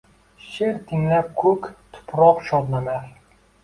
Sheʼr tinglab koʼk, tuproq shodlanar.